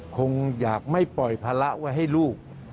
คงอยากไม่ปล่อยภาระไว้ให้ลูก